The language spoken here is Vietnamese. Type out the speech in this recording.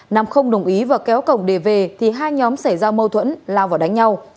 nam không đồng ý và kéo cổng để về thì hai nhóm xảy ra mâu thuẫn lao vào đánh nhau